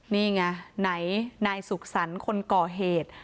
นี่ไงไหนนายสุขสรรค์คนก่อเหตุ